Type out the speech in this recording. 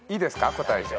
答えて。